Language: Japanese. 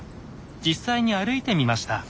実際に歩いてみました。